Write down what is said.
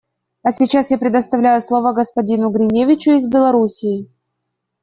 А сейчас я предоставляю слово господину Гриневичу из Беларуси.